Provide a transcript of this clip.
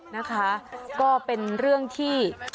นะคะก็เป็นเรื่องที่